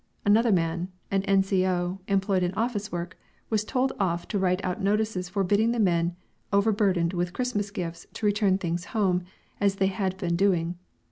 Another man, an N.C.O. employed in office work, was told off to write out notices forbidding the men overburdened with Christmas gifts to return things home, as they have been doing.